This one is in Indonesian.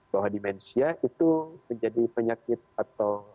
bahwa dimensia itu menjadi penyakit atau